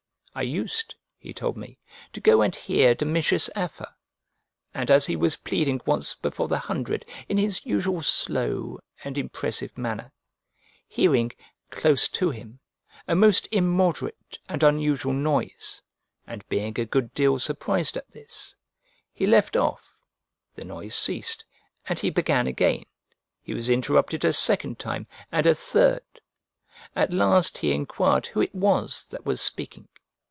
"I used," he told me, "to go and hear Domitius Afer, and as he was pleading once before the Hundred in his usual slow and impressive manner, hearing, close to him, a most immoderate and unusual noise, and being a good deal surprised at this, he left off: the noise ceased, and he began again: he was interrupted a second time, and a third. At last he enquired who it was that was speaking?